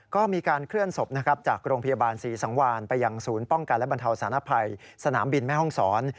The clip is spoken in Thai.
ก็มีการเคลื่อนศพนะครับจากโรงพยาบาลศรีสังวานไปยังศูนย์ป้องกันและบรรเทาสารภัยสนามบินแม่ห้องศร